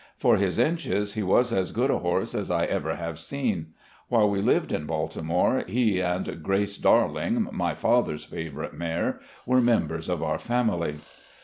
For his inches, he was as good a horse as I ever have seen. While we lived in Baltimore, he and "Grace Darling," my father's favourite mare, were members of our family.